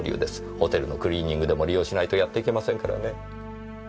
ホテルのクリーニングでも利用しないとやっていけませんからね。